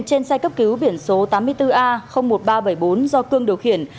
trên xe cấp cứu biển số tám mươi bốn a một nghìn ba trăm bảy mươi bốn do cương điều khiển